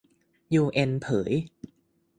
ยูเอ็นเผย